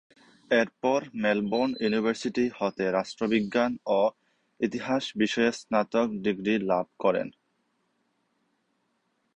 এরপর Melbourne University হতে রাষ্ট্রবিজ্ঞান ও ইতিহাস বিষয়ে স্নাতক ডিগ্রী লাভ করেন।